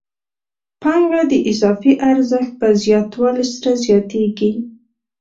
پانګه د اضافي ارزښت په زیاتوالي سره زیاتېږي